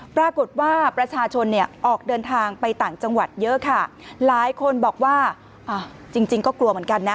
ปรากฏว่าประชาชนเนี่ยออกเดินทางไปต่างจังหวัดเยอะค่ะหลายคนบอกว่าอ่าจริงจริงก็กลัวเหมือนกันนะ